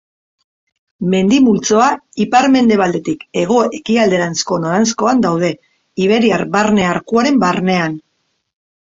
Mendi multzoa, ipar-mendebaldetik hego-ekialderanzko noranzkoan daude, iberiar barne arkuaren barnean.